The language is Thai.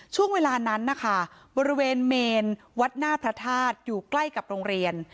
ช่วงเวลานั้นนะคะบริเวณเมนวัดหน้าพระธาตุอยู่ใกล้กับโรงเรียน